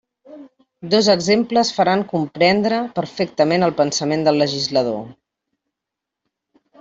Dos exemples faran comprendre perfectament el pensament del legislador.